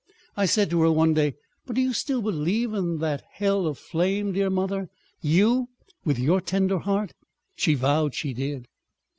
I said to her one day, "But do you still believe in that hell of flame, dear mother? You—with your tender heart!" She vowed she did.